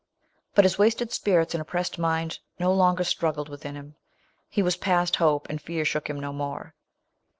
But his wasted spirits and oppressed mind no longer struggled within him. He Aras past hope, and fear shook him no more.